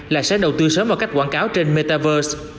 là sẽ đầu tư sớm vào cách quảng cáo trên metaverse